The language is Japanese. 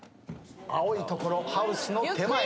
青いところハウスの手前。